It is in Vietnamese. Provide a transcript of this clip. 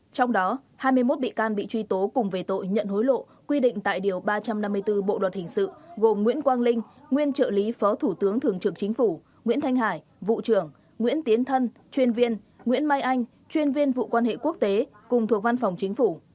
trong đó hai mươi một bị can bị truy tố cùng về tội nhận hối lộ quy định tại điều ba trăm năm mươi bốn bộ luật hình sự gồm nguyễn quang linh nguyên trợ lý phó thủ tướng thường trực chính phủ nguyễn thanh hải vụ trưởng nguyễn tiến thân chuyên viên nguyễn mai anh chuyên viên vụ quan hệ quốc tế cùng thuộc văn phòng chính phủ